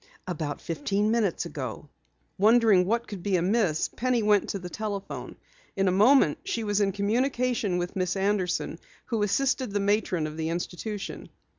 "About fifteen minutes ago." Wondering what could be amiss, Penny went to the telephone. In a moment she was in communication with Miss Anderson, who assisted the matron of the institution.